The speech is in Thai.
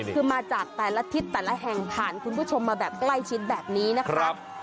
คือมาจากแต่ละทิศแต่ละแห่งผ่านคุณผู้ชมมาแบบใกล้ชิดแบบนี้นะคะ